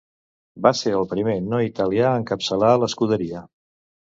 Va ser el primer no italià a encapçalar l'Scuderia.